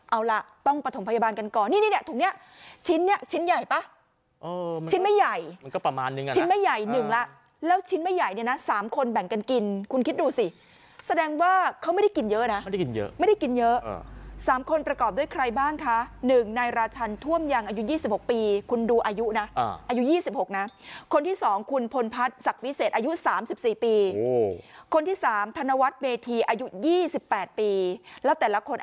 เอาล่ะต้องประถมพยาบาลกันก่อนนี่เนี่ยถุงเนี่ยชิ้นเนี่ยชิ้นใหญ่ป่ะ